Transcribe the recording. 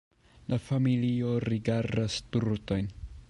La familio rigardas strutojn: